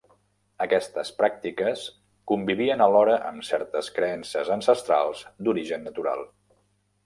Aquestes pràctiques convivien alhora amb certes creences ancestrals d'origen natural.